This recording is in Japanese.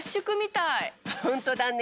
ほんとだね。